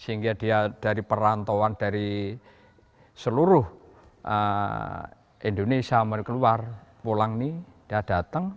sehingga dia dari perantauan dari seluruh indonesia keluar pulang ini dia datang